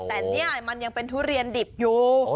แต่นี่มันยังเป็นทุเรียนดิบอยู่